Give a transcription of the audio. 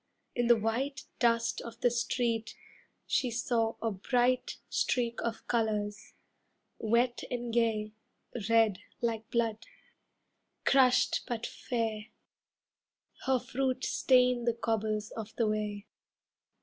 In the white Dust of the street she saw a bright Streak of colours, wet and gay, Red like blood. Crushed but fair, Her fruit stained the cobbles of the way.